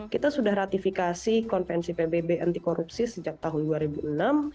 kita sudah ratifikasi konvensi pbb anti korupsi sejak tahun dua ribu enam